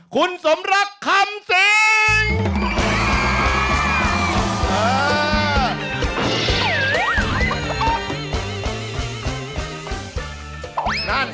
คุณสมรักคำแสง